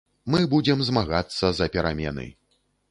Мы будзем змагацца за перамены!